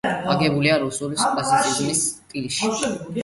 აგებულია რუსული კლასიციზმის სტილში.